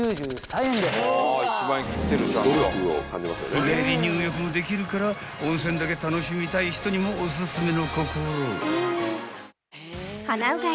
［日帰り入浴もできるから温泉だけ楽しみたい人にもおすすめの心］